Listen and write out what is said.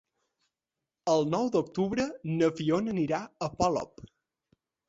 El nou d'octubre na Fiona anirà a Polop.